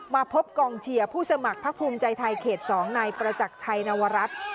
มาพบกองเชียร์ผู้สมัครพักภูมิใจไทยเขต๒นายประจักรชัยนวรัฐ